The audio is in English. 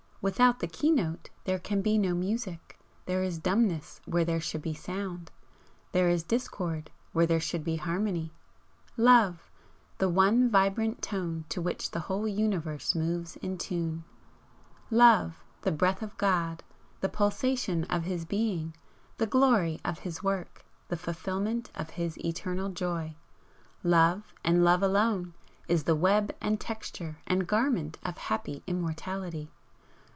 Without the keynote there can be no music, there is dumbness where there should be sound, there is discord where there should be harmony. Love! the one vibrant tone to which the whole universe moves in tune, Love, the breath of God, the pulsation of His Being, the glory of His work, the fulfilment of His Eternal Joy, Love, and Love alone, is the web and texture and garment of happy Immortality!